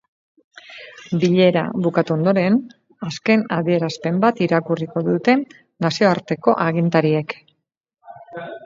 Bilera bukatu ondoren, azken adierazpen bat irakurriko dute nazioarteko agintariek.